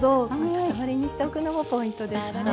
塊にしておくのもポイントでした。